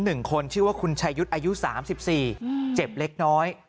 หนึ่งคนชื่อว่าคุณชายุทธ์อายุ๓๔เจ็บเล็กน้อย